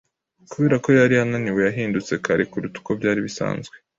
Kubera ko yari ananiwe, yahindutse kare kuruta uko byari bisanzwe.